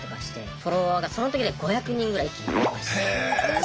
フォロワーがその時で５００人ぐらい一気に増えました。